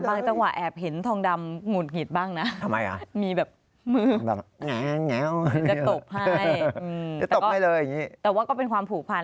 แต่บางสักวันแอบเห็นทองดำหงุดหงิดบ้างนะมีแบบมือจะตบให้แต่ว่าก็เป็นความผูพัน